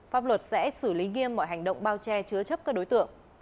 pháp luật sẽ xử lý nghiêm mọi hành động bao che chứa chấp các đối tượng